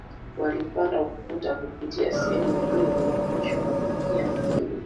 Walipanda ukuta kupitia sehemu iliyodhoofishwa na kuingia mjini